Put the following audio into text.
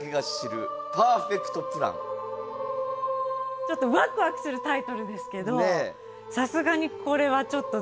ちょっとワクワクするタイトルですけどさすがにこれはちょっと何のことだろうっていう。